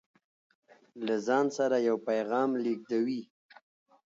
له ځان سره يو پيغام لېږدوي